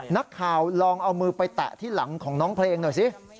นักข่าวลองเอามือไปแตะที่หลังของน้องเพลงหน่อยสิ